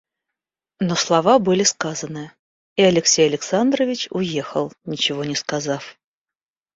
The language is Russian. Но слова были сказаны, и Алексей Александрович уехал, ничего не сказав.